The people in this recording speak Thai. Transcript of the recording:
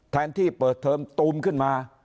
แทนที่เปิดเทอมตูมขึ้นมา